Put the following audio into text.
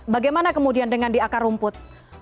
bagaimana kemudian dengan di akar rumput